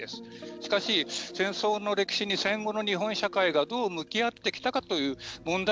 しかし、戦争の歴史に戦後の日本社会がどう向き合ってきたかという問題